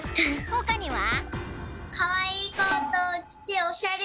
ほかには？